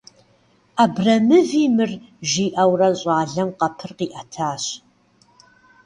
Абрэмыви мыр, - жиӏэурэ щӏалэм къэпыр къиӏэтащ.